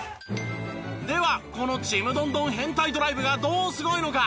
ではこのちむどんどん変態ドライブがどうすごいのか？